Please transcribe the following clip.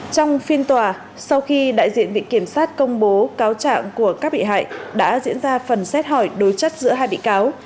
trong phiên tòa sau khi đại diện vị kiểm sát công bố cáo trạng của các bị hại đã diễn ra phần xét hỏi đối chất giữa hai bị cáo